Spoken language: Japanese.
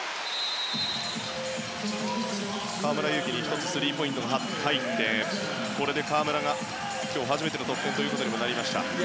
河村勇輝に１つスリーポイントが入ってこれで河村が今日初めての得点となりました。